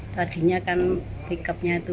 tadinya kan pick up nya itu